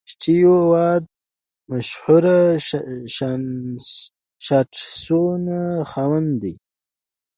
سټیو وا د مشهور شاټسونو خاوند دئ.